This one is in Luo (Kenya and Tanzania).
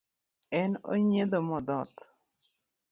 En onyiedho modhoth.